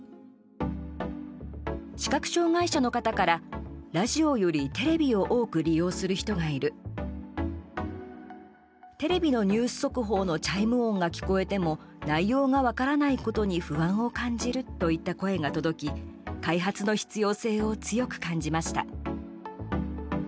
視覚障害者の方から、ラジオよりテレビを多く利用する人がいるテレビのニュース速報のチャイム音が聞こえても内容が分からないことに不安を感じる、といった声が届き開発の必要性を強く感じました。